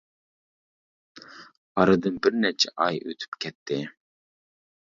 ئارىدىن بىر نەچچە ئاي ئۆتۈپ كەتتى.